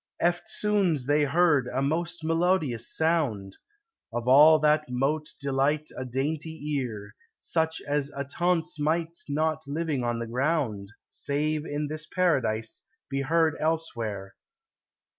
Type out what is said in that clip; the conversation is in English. Eftsoons they heard a most melodious sound, Of all that mote delight a daintie eare, Such as attonce might not on living ground, Save in this paradise, be heard elsewhere.